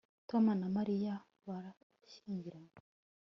Tom na Mariya barashyingiranywe